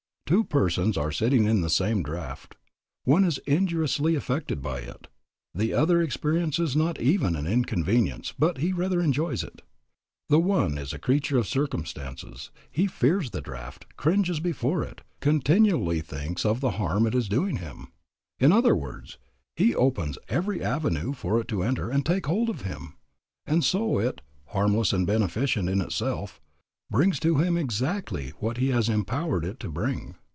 Two persons are sitting in the same draft. The one is injuriously affected by it, the other experiences not even an inconvenience, but he rather enjoys it. The one is a creature of circumstances; he fears the draft, cringes before it, continually thinks of the harm it is doing him. In other words, he opens every avenue for it to enter and take hold of him, and so it harmless and beneficent in itself brings to him exactly what he has empowered it to bring.